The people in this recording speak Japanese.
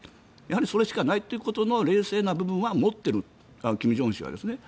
やはりそれしかないということの冷静な部分は持っている、金正恩氏は。